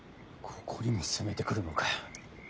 ここにも攻めてくるのか。